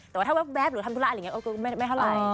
แต่ว่าถ้าแว๊บหรือทำธุระอะไรอย่างนี้ก็ไม่เท่าไหร่